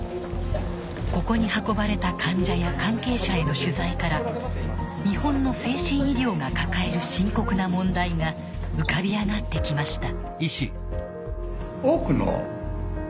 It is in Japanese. ここに運ばれた患者や関係者への取材から日本の精神医療が抱える深刻な問題が浮かび上がってきました。